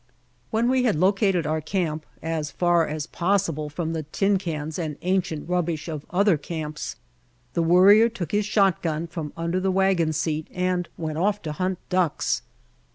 When we had located our camp as far as possible from the tin cans and ancient rubbish of other camps, the Worrier took his shot gun from under the wagon seat and went off to hunt ducks.